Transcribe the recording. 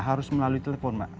harus melalui telepon mbak